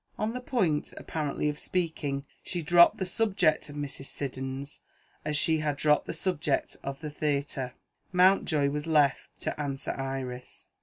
On the point, apparently, of speaking, she dropped the subject of Mrs. Siddons as she had dropped the subject of the theatre. Mountjoy was left to answer Iris.